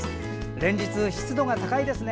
連日、湿度が高いですね。